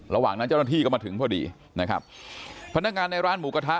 ระหว่างนั้นเจ้าหน้าที่ก็มาถึงพอดีนะครับพนักงานในร้านหมูกระทะ